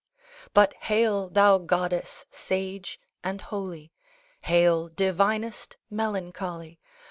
But, hail! thou Goddess sage and holy! Hail, divinest Melancholy!